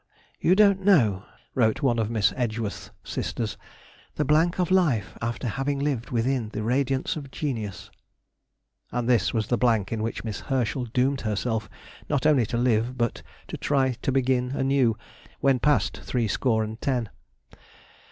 "You don't know," wrote one of Miss Edgeworth's sisters, "the blank of life after having lived within the radiance of genius;" and this was the blank in which Miss Herschel doomed herself not only to live, but to try to begin anew, when past three score and ten.